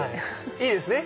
いいですね